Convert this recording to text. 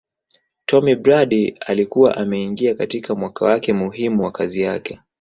Tomm Brady alikuwa ameingia katika mwaka wake muhimu wa kazi yake